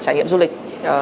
trải nghiệm du lịch